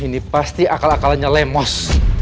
ini pasti akal akalannya lemos